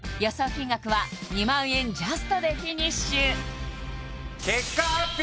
金額は２万円ジャストでフィニッシュ結果発表！